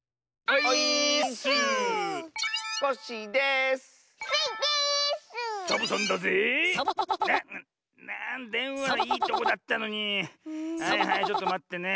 はいはいちょっとまってね。